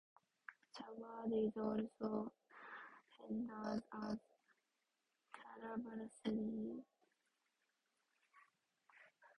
The word is also rendered as "caravansary", "caravansaray", "caravanseray" and "caravansara".